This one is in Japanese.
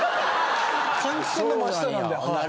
換気扇の真下なんではい。